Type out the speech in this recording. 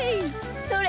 それ。